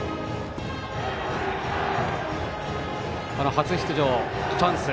初出場、チャンス。